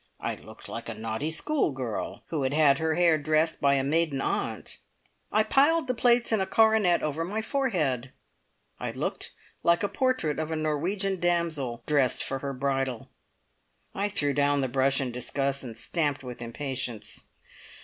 I looked like a naughty schoolgirl, who had had her hair dressed by a maiden aunt. I piled the plaits in a coronet over my forehead; I looked like a portrait of a Norwegian damsel dressed for her bridal. I threw down the brush in disgust, and stamped with impatience.